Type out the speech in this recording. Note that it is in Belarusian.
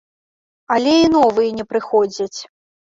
Але і новыя не прыходзяць.